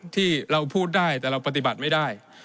ที่เราพูดได้แต่เราปฏิบัติไม่ได้